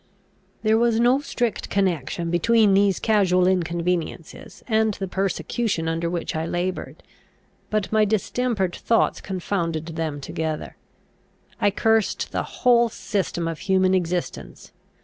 There was no strict connection between these casual inconveniences and the persecution under which I laboured. But my distempered thoughts confounded them together. I cursed the whole system of human existence.